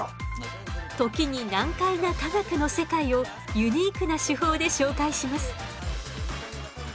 時に難解な科学の世界をユニークな手法で紹介します。